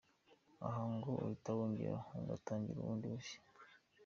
Aha ngo uhita wongera ugatangira bundi bushya.